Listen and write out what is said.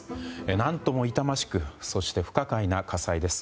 何とも痛ましくそして不可解な火災です。